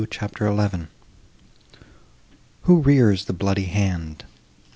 CHAPTER XI Who rears the bloody hand?